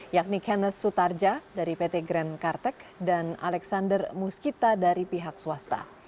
yakni kennet sutarja dari pt grand kartek dan alexander muskita dari pihak swasta